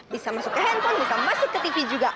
bisa masuk ke handphone bisa masuk ke tv juga